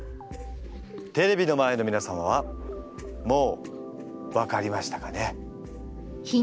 テレビの前のみなさんはもう分かりましたかね？